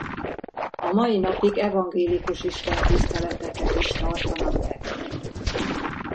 A mai napig evangélikus Istentiszteleteket is tartanak benne.